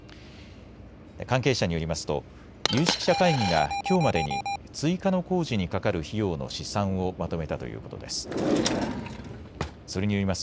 関係者によりますと有識者会議がきょうまでに追加の工事にかかる費用の試算をまとめたということです。